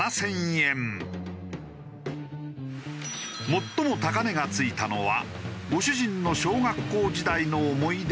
最も高値が付いたのはご主人の小学校時代の思い出のミニカー。